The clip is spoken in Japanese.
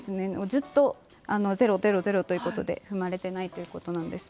ずっと０、０、０ということで踏まれてないということなんです。